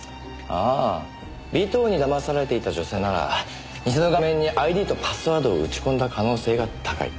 ああ尾藤に騙されていた女性なら偽の画面にＩＤとパスワードを打ち込んだ可能性が高い。